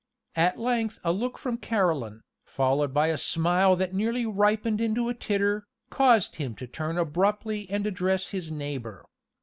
At length a look from Caroline, followed by a smile that nearly ripened to a titter, caused him to turn abruptly and address his neighbor.